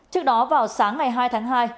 trước đó vào sáng ngày hai tháng hai